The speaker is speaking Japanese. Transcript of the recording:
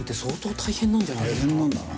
大変なんだな。